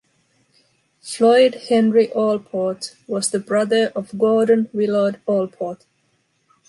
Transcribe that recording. Floyd Henry Allport was the brother of Gordon Willard Allport.